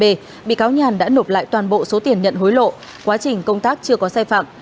tại tòa bị cáo nhàn đã nộp lại toàn bộ số tiền nhận hối lộ quá trình công tác chưa có sai phạm